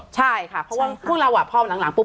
ใช่ค่ะเพราะว่าพวกเราพอหลังปุ๊